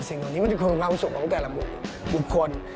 สิ่งเหล่านี้มันคือความสุขของแต่ละบุคคล